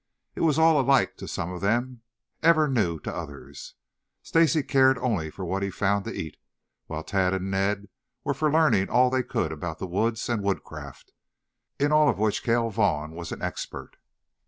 It was all alike to some of them, ever new to others. Stacy cared only for what he found to eat, while Tad and Ned were for learning all they could about the woods and woodcraft, in all of which Cale Vaughn was an expert.